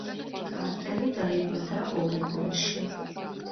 კარტერი დაიბადა ორეგონში.